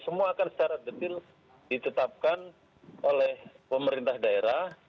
semua akan secara detail ditetapkan oleh pemerintah daerah